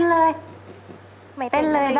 เต้นเลยได้ไม่เป็นไรค่ะ